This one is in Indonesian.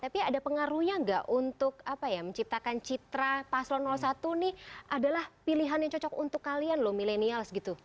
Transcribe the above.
tapi ada pengaruhnya nggak untuk apa ya menciptakan citra paslo satu nih adalah pilihan yang cocok untuk kalian loh milenial segitu